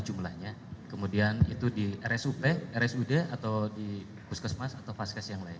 jumlahnya kemudian itu di rsup rsud atau di puskesmas atau vaskes yang lain